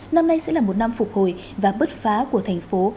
năm nay sẽ là một năm phục hồi và bứt phá của thành phố